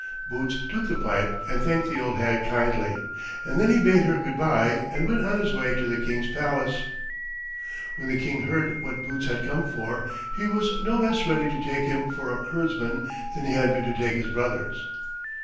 Boots took the pipe and thanked the old hag kindly, and then he bade her good by and went on his way to the King's palace. When the King heard what Boots had come for, he was no less ready to take him for a herdsman than he had been to take his brothers.